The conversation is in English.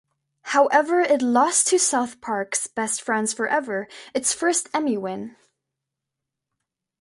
However, it lost to South Park's "Best Friends Forever", its first Emmy win.